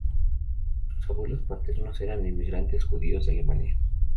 Sus abuelos paternos eran inmigrantes judíos de Alemania.